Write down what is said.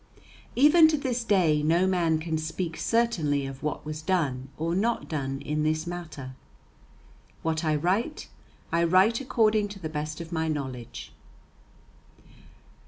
Even to this day no man can speak certainly of what was done or not done in this matter. What I write, I write according to the best of my knowledge.